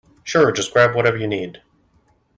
Sure, just grab whatever you need.